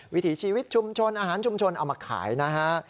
วิถีชีวิตชุมชนอาหารชุมชนเอามาขายนะฮะ